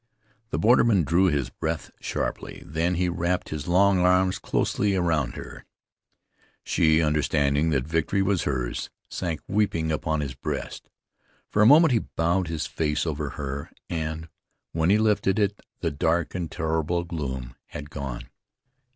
The borderman drew his breath sharply; then he wrapped his long arms closely round her. She, understanding that victory was hers, sank weeping upon his breast. For a moment he bowed his face over her, and when he lifted it the dark and terrible gloom had gone.